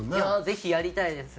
ぜひやりたいです。